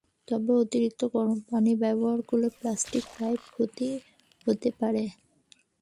তবে অতিরিক্ত গরম পানি ব্যবহার করলে প্লাস্টিকের পাইপের ক্ষতি হতে পারে।